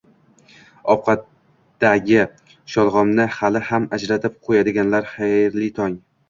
Ovqatdagi sholg'omni hali ham ajratib qo'yadiganlar, xayrli tong!